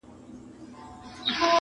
پر هر ځای چي ټولۍ وینی د پوهانو؛